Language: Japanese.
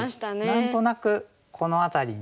何となくこの辺りにですね